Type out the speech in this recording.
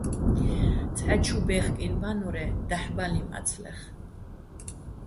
ცჰ̦ა ჩუ ბეხკინო ბანო́რ-ე́ დაჰ̦ ბალიჼ მაცლეხ.